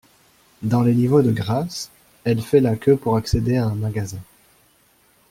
Dans les niveaux de Grace, elle fait la queue pour accéder à un magasin.